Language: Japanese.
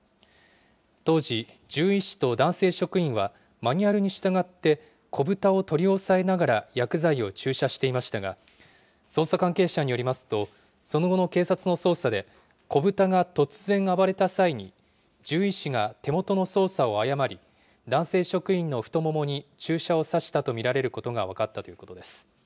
当時、獣医師と男性職員は、マニュアルに従って、子ブタを取り押さえながら薬剤を注射していましたが、捜査関係者によりますと、その後の警察の捜査で、子ブタが突然暴れた際に、獣医師が手元の操作を誤り、男性職員の太ももに注射を刺したと見られることが分かったということです。